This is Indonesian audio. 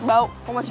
bau mau mampir